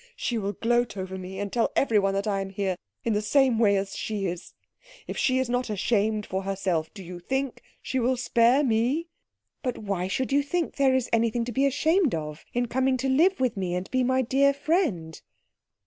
"She will gloat over me, and tell everyone that I am here in the same way as she is. If she is not ashamed for herself, do you think she will spare me?" "But why should you think there is anything to be ashamed of in coming to live with me and be my dear friend?"